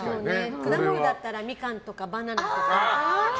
果物だったらミカンとか、バナナとか。